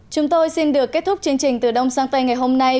chúng tôi xin được kết thúc chương trình từ đông sang tây ngày hôm nay